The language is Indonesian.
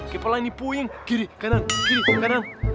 kepala ini puing kiri kanan kiri kanan